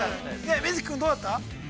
瑞稀君、どうだった。